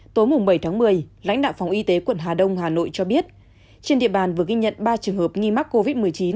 tối bảy tháng một mươi lãnh đạo phòng y tế quận hà đông hà nội cho biết trên địa bàn vừa ghi nhận ba trường hợp nghi mắc covid một mươi chín